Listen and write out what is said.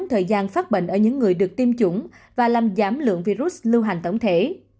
thời gian phát bệnh ở những người được tiêm chủng và làm giảm lượng virus lưu hành tổng thể